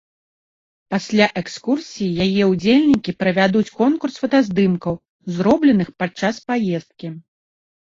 Пасля экскурсіі яе ўдзельнікі правядуць конкурс фотаздымкаў, зробленых падчас паездкі.